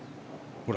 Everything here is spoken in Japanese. ほら！